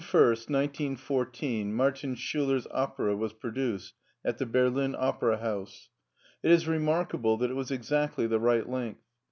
CHAPTER XXXV ON June 1st, 1914, Martin Schuler's opera was produced at the Berlin Opera House. It is remarkable that it was exactly the right length.